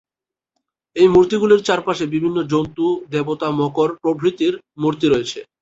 এই মূর্তিগুলির চারপাশে বিভিন্ন জন্তু, দেবতা, মকর প্রভৃতির মূর্তি রয়েছে।